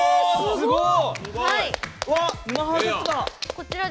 すごい。